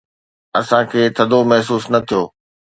اسان کي ٿڌو محسوس نه ٿيو.